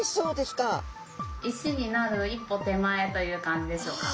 石になる一歩手前という感じでしょうか。